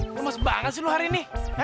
oi lo emas banget sih lo hari ini